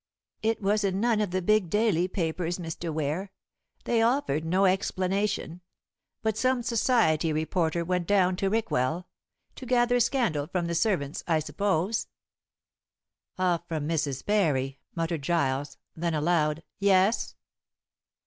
"It was in none of the big daily papers, Mr. Ware. They offered no explanation. But some Society reporter went down to Rickwell; to gather scandal from the servants, I suppose." "Off from Mrs. Parry," muttered Giles; then aloud, "Yes?"